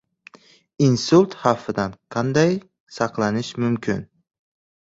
Insult xavfidan qanday saqlanish mumkin?